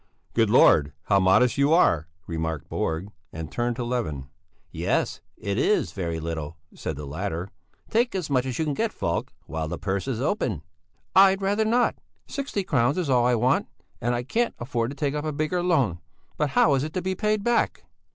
"Good Lord, how modest you are," remarked Borg, and turned to Levin. "Yes, it is very little," said the latter. "Take as much as you can get Falk while the purse is open." "I'd rather not! Sixty crowns is all I want, and I can't afford to take up a bigger loan. But how is it to be paid back?"